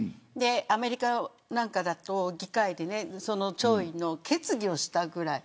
アメリカなんかだと議会で弔意の決議をしたぐらい。